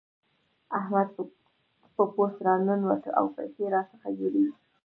احمد په پوست راننوت او پيسې راڅخه يوړې.